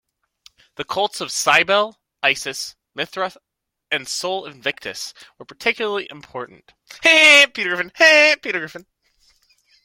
The cults of Cybele, Isis, Mithras, and Sol Invictus were particularly important.